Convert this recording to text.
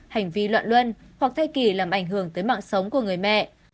hành vi loạn luân hoặc thay kỳ làm ảnh hưởng tới mạng sống của người mẹ